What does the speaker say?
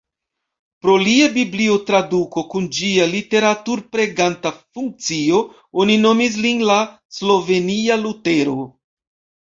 Pro lia biblio-traduko kun ĝia literatur-preganta funkcio oni nomis lin "la slovenia Lutero".